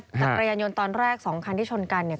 จักรยานยนต์ตอนแรกสองคันที่ชนกันเนี่ย